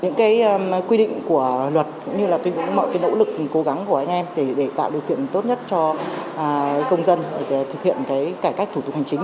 những quy định của luật cũng như là mọi nỗ lực cố gắng của anh em để tạo điều kiện tốt nhất cho công dân để thực hiện cải cách thủ tục hành chính